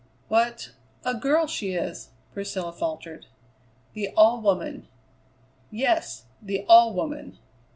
"What a girl she is!" Priscilla faltered. "The All Woman." "Yes, the All Woman."